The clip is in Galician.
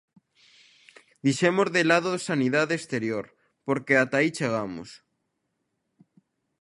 Deixemos de lado Sanidade Exterior, porque ata aí chegamos.